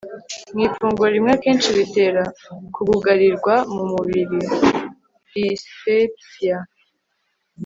mu ifunguro rimwe akenshi bitera kugugarirwa mu mubiri dyspepsia